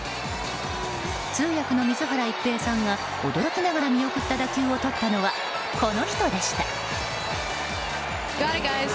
通訳の水原一平さんが驚きながら見送った打球をとったのはこの人でした。